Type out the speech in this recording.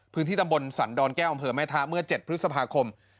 พื้นที่ตำบลสันดอนแก้วอำเภอแม่ทะเมื่อ๗พฤษภาคม